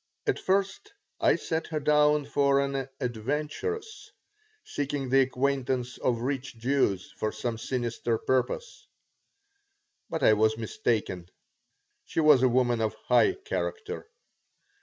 At first I set her down for an adventuress seeking the acquaintance of rich Jews for some sinister purpose. But I was mistaken. She was a woman of high character.